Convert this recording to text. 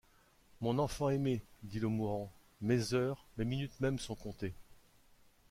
Mon enfant aimé, dit le mourant, mes heures, mes minutes mêmes sont comptées.